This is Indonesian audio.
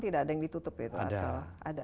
tidak ada yang ditutup ada